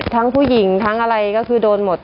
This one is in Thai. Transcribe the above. ทั้งผู้หญิงทั้งอะไรก็คือโดนหมด